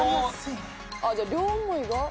じゃ両思いが。